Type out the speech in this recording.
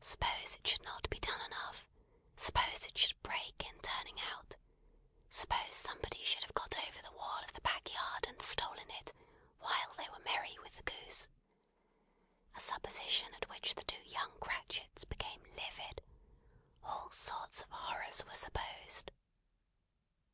Suppose it should not be done enough! Suppose it should break in turning out! Suppose somebody should have got over the wall of the back yard, and stolen it, while they were merry with the goose a supposition at which the two young Cratchits became livid! All sorts of horrors were supposed.